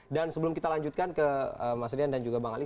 dan sebelum kita lanjutkan ke mas rian dan juga bang ali